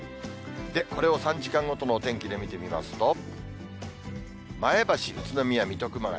これを３時間ごとのお天気で見てみますと、前橋、宇都宮、水戸、熊谷。